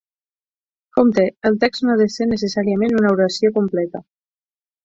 Compte: el text no ha de ser necessàriament una oració completa.